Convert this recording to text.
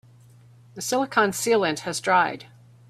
The silicon sealant has dried.